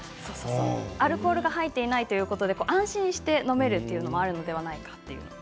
アルコールが入っていないということで安心して飲めるというのもあるのではないかということです。